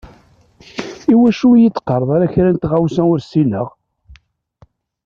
Iwacu ur yi-d-teqqareḍ kra n tɣawsa ur ssineɣ?